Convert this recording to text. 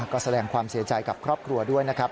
ก็แสดงความเสียใจกับครอบครัวด้วยนะครับ